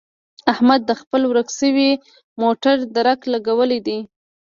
احمد د خپل ورک شوي موټر درک لګولی دی.